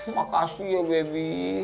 makasih ya bebi